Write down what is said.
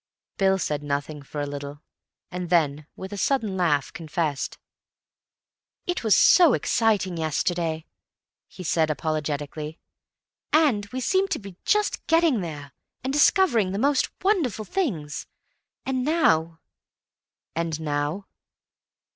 Bill said nothing for a little, and then with a sudden laugh confessed. "It was so exciting yesterday," he said apologetically, "and we seemed to be just getting there, and discovering the most wonderful things, and now—" "And now?"